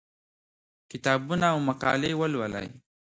کتابونه او مقالې ولولئ.